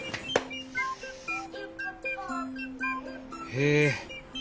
へえ。